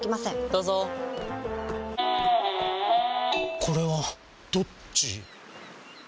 どうぞこれはどっち？